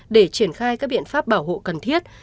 để triển khai các biện pháp bảo hộ cần thiết